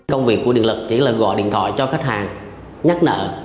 công việc của điện lực chỉ là gọi điện thoại cho khách hàng nhắc nợ